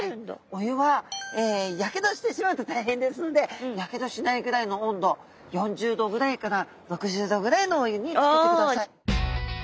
お湯はやけどしてしまうと大変ですのでやけどしないぐらいの温度４０℃ぐらいから６０℃ぐらいのお湯につけてください。